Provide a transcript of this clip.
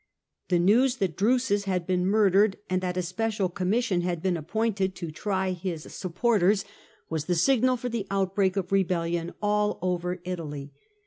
The news that Drusus had been murdered, and that a Special Commission had been appointed to try his GENERAL REVOLT OF THE ITALIANS 109 snpporters, was the signal for the outbreak of rebellion all over Italy.